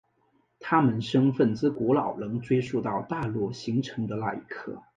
他们身份之古老能追溯到大陆形成的那一刻。